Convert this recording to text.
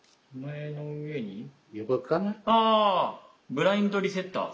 ブラインドリセッター。